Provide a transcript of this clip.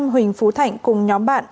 huỳnh phú thảnh cùng nhóm bạn